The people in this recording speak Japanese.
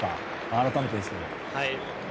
改めてですけど。